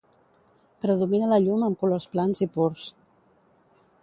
Predomina la llum amb colors plans i purs.